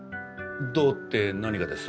どうって何がです？